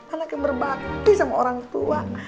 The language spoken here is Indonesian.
anak yang berbakti sama orang tua